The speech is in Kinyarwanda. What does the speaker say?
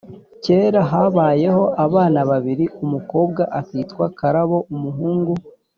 kera habayeho abana babiri, umukobwa akitwa karabo, umuhungu